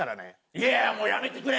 イヤやもうやめてくれ！